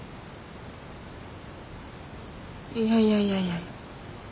いやいやいやいや。